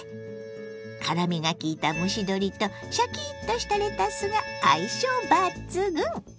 辛みがきいた蒸し鶏とシャキッとしたレタスが相性抜群！